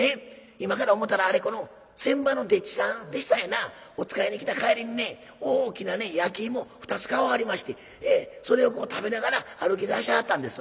今から思たらあれこの船場の丁稚さんでしたんやなお使いに来た帰りにね大きなね焼き芋を２つ買わはりましてそれをこう食べながら歩きだしはったんですわ。